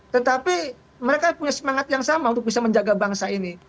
tetapi mereka punya semangat yang sama untuk bisa menjaga bangsa ini